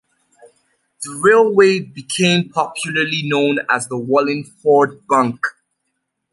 The railway became popularly known as the "Wallingford Bunk".